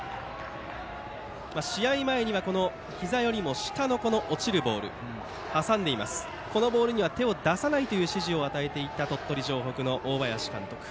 試合前にはひざよりも下の落ちるボールこのボールには手を出さないという指示を与えていた鳥取城北の大林監督。